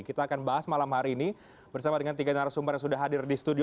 kita akan bahas malam hari ini bersama dengan tiga narasumber yang sudah hadir di studio